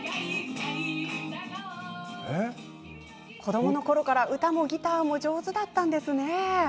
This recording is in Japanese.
子どものころから歌もギターも上手だったんですね。